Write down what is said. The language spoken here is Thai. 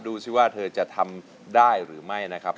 ดูสิว่าเธอจะทำได้หรือไม่นะครับ